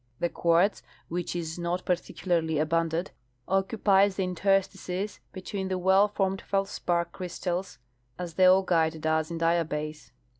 The quartz, which is not particularly fjbundant, occupies the interstices be tween the well formed feldspar crystals as the augite does in diabase.